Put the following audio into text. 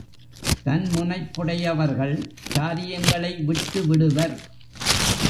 தன் முனைப்புடையவர்கள் காரியங்களை விட்டுவிடுவர்.